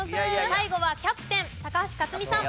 最後はキャプテン高橋克実さん。